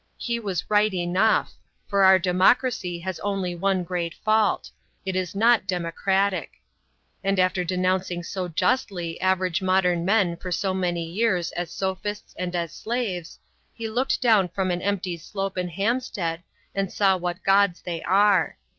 He was right enough; for our democracy has only one great fault; it is not democratic. And after denouncing so justly average modern men for so many years as sophists and as slaves, he looked down from an empty slope in Hampstead and saw what gods they are.